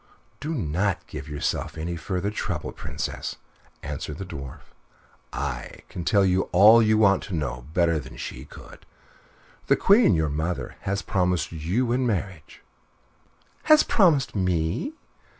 "Do not give yourself any further trouble, Princess," answered the Dwarf. "I can tell you all you want to know better than she could. The Queen, your mother, has promised you in marriage " "Has promised _me!